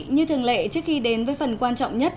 như thường lệ trước khi đến với phần quan trọng nhất